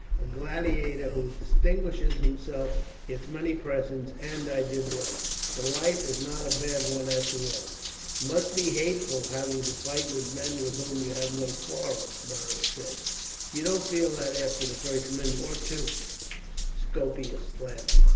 A gladiator who distinguishes himself gets many presents, and I did well. The life is not a bad one after all." "It must be hateful having to fight with men with whom you have no quarrel," Beric said. "You don't feel that after the first minute or two," Scopus laughed.